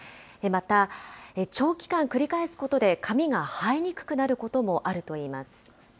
また、長期間繰り返すことで髪が生えにくくなることもあるといいます。